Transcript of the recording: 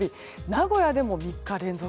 名古屋でも３日連続。